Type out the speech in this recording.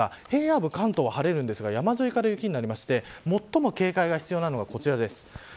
平野部、関東は晴れるんですが山沿いから雪になって最も警戒が必要なのがこちらです。